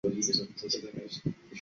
属定州。